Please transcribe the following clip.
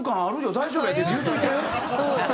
大丈夫やって」って言うといて！